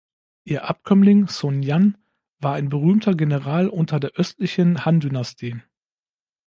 Ihr Abkömmling Sun Jian war ein berühmter General unter der Östlichen Han-Dynastie.